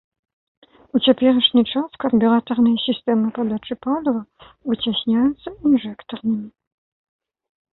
У цяперашні час карбюратарныя сістэмы падачы паліва выцясняюцца інжэктарнымі.